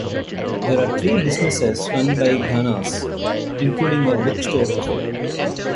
There are three businesses run by Ganas, including a bookstore-cafe.